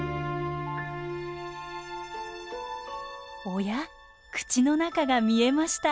おやっ口の中が見えました。